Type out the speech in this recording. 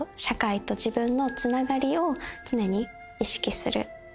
社会と自分のつながりを常に意識する。